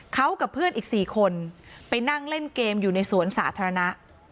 เขากับเพื่อนอีก๔คนไปนั่งเล่นเกมอยู่ในสวนสาธารณะ